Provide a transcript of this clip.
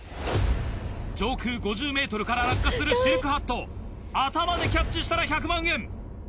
上空５０ｍから落下するシルクハットを頭でキャッチしたら１００万円。